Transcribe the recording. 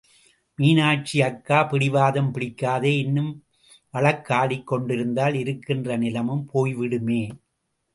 மீனாட்சி அக்கா பிடிவாதம் பிடிக்காதே இன்னும் வழக்காடிக் கொண்டிருந்தால் இருக்கின்ற நிலமும் போய்விடுமே!